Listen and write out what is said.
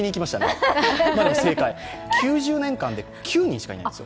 ９０年間で９人しかいないんです。